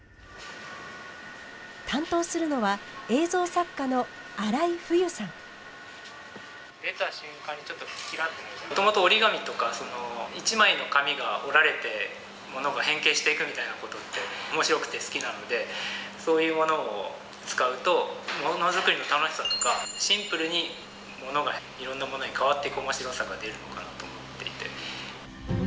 担当するのはもともと折り紙とかその１枚の紙が折られてものが変形していくみたいなことって面白くて好きなのでそういうものを使うと物作りの楽しさとかシンプルにものがいろんなものに変わっていく面白さが出るのかなと思っていて。